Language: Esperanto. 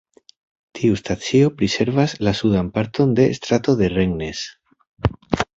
Tiu stacio priservas la sudan parton de Strato de Rennes.